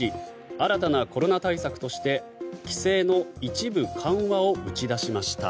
新たなコロナ対策として規制の一部緩和を打ち出しました。